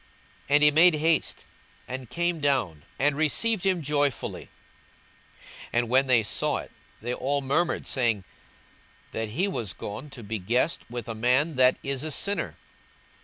42:019:006 And he made haste, and came down, and received him joyfully. 42:019:007 And when they saw it, they all murmured, saying, That he was gone to be guest with a man that is a sinner.